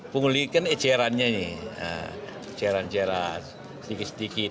pengulih kan ecerannya nih eceran eceran sedikit sedikit